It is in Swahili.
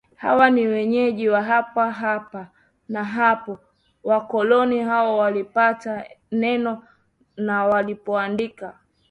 hawa ni wenyeji wa hapa hapa na hapo wakoloni hao walipata neno na walipoandika